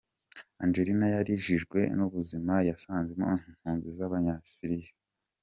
Angelina yarijijwe n’ubuzima yasanzemo impunzi z’Abanyasiriya